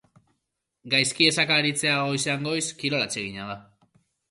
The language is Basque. Gaizki esaka aritzea goizean goiz kirol atsegina da.